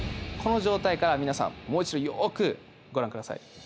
この状態から皆さんもう一度よくご覧下さい。